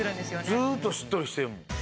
ずっとしっとりしてるもん。